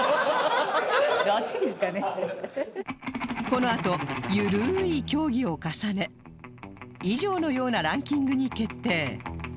このあと緩い協議を重ね以上のようなランキングに決定